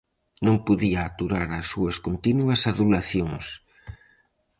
Non podía aturar as súas continuas adulacións.